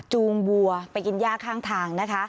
จูงวัวไปกินย่าข้างทางนะคะ